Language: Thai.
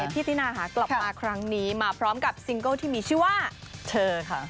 พี่ตินาค่ะกลับมาครั้งนี้มาพร้อมกับซิงเกิลที่มีชื่อว่าเธอค่ะ